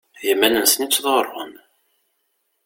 D iman-nsen i ttḍurrun.